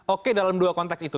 oke dalam dua konteks itu